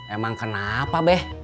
emang kenapa beh